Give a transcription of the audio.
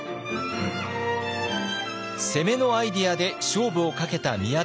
攻めのアイデアで勝負をかけた宮田さん。